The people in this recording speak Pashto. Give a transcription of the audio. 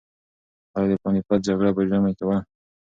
ایا د پاني پت جګړه په ژمي کې وه؟